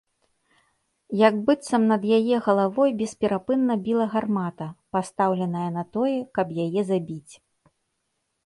Як быццам над не галавой бесперапынна біла гармата, пастаўленая на тое, каб яе забіць.